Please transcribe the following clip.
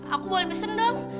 aku boleh pesen dong